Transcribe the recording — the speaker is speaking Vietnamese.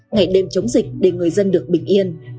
ngày đêm chống dịch để người dân được bình yên